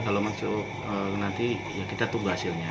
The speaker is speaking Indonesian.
kalau masuk nanti ya kita tunggu hasilnya